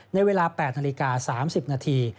ในเวลา๘นาฬิกา๓๐นาที